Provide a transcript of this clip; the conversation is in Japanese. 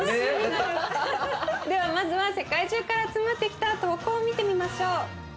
ではまずは世界中から集まってきた投稿を見てみましょう。